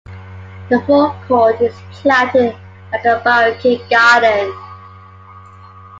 The forecourt is planted like a baroque garden.